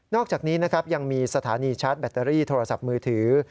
อกจากนี้นะครับยังมีสถานีชาร์จแบตเตอรี่โทรศัพท์มือถือ